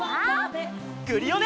クリオネ！